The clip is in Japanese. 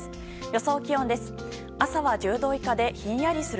予想気温です。